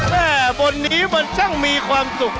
แม่บนนี้มันช่างมีความสุข